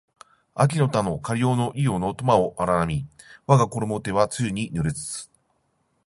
秋の田のかりほの庵の苫を荒みわがころも手は露に濡れつつ